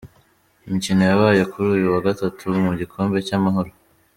Imikino yabaye kuri uyu wa Gatatu mu gikombe cy’Amahoro:.